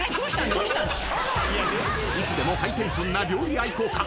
［いつでもハイテンションな料理愛好家］